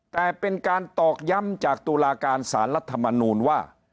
แต่เป็นการตอกย้ำจากตุลาการสารรัฐมนูลว่า